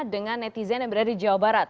dengan netizen yang berada di jawa barat